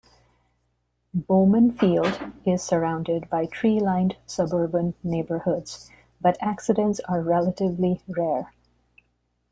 Bowman Field is surrounded by tree-lined suburban neighborhoods, but accidents are relatively rare.